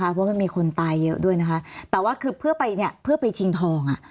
เพราะมันมีคนตายเยอะด้วยนะคะแต่ว่าคือเพื่อไปเนี่ยเพื่อไปชิงทองอ่ะ